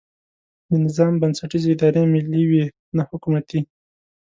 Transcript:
د نظام بنسټیزې ادارې ملي وي نه حکومتي.